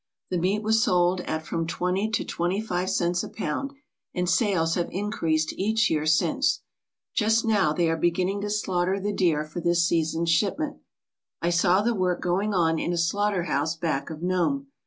The meat was sold at from twenty to twenty five cents per pound, and sales have increased each year since. Just now they are beginning to slaughter 205 ALASKA OUR NORTHERN WONDERLAND the deer for this season's shipment. I saw the work going on in a slaughter house back of Nome.